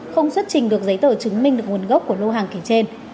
không xuất trình được giấy tờ chứng minh được nguồn gốc của lô hàng kể trên